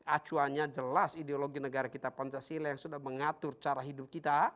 acuannya jelas ideologi negara kita pancasila yang sudah mengatur cara hidup kita